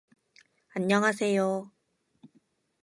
안녕하세요